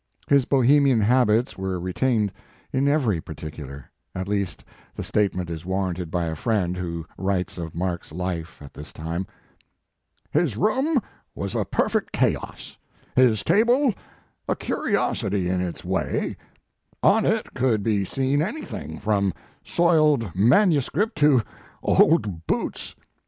His Bohemian habits were retained in every particular, at least the statement is war ranted by a friend who writes of Mark s life at this time: 4 His room was a perfect chaos, his table a curiosity in its wa}\ On it could be seen any thing from soiled manuscript to old boots.